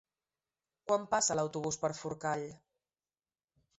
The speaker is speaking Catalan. Quan passa l'autobús per Forcall?